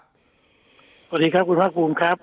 สวัสดีครับคุณภาคภูมิครับ